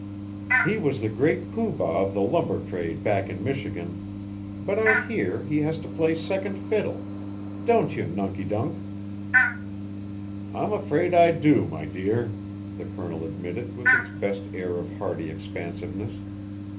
"He was the Great Pooh Bah of the lumber trade back in Michigan, but out here he has to play second fiddle. Don't you, Nunky dunk?" "I'm afraid I do, my dear," the Colonel admitted with his best air of hearty expansiveness.